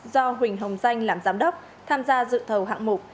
do huỳnh hồng danh làm giám đốc tham gia dự thầu hạng mục